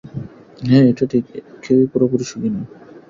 হ্যাঁ, এটা ঠিক কেউই পুরোপুরি সুখী নয়।